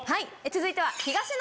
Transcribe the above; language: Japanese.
続いては。